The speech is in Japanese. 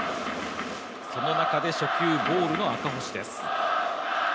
その中で初球ボールの赤星です。